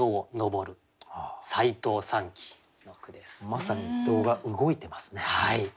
まさに動画動いてますね。